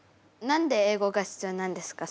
何で英語が必要なんですか？